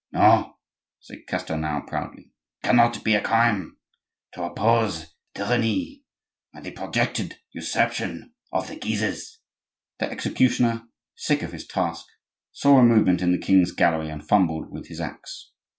"No," said Castelnau, proudly, "it cannot be a crime to oppose the tyranny and the projected usurpation of the Guises." The executioner, sick of his task, saw a movement in the king's gallery, and fumbled with his axe.